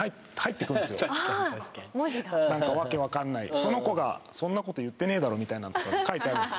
その子がそんなこと言ってねえだろみたいなのが書いてあるんですよ